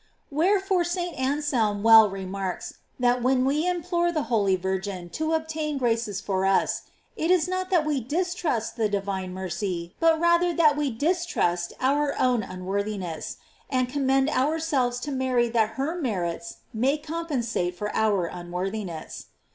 f Wherefore St. Anselm well remarks," that when we implore the holy Virgin to obtain graces for us, it is not that we distrust the divine mercy, but rather that we distrust our own unworthiness, and commend ourselves to Mary that her merits may compensate for ooi* un worthiness.